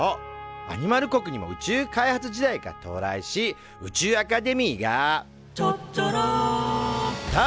アニマル国にも宇宙開発時代が到来し宇宙アカデミーが「ちゃっちゃら」と誕生。